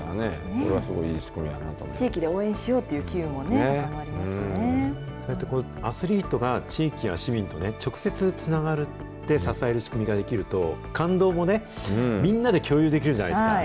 これはすごいいい仕組みやなと思地域で応援しようという機運それとこれ、アスリートが、地域や市民と直接つながって支える仕組みが出来ると、感動もね、みんなで共有できるじゃないですか。